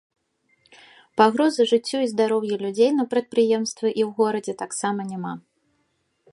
Пагрозы жыццю і здароўю людзей на прадпрыемстве і ў горадзе таксама няма.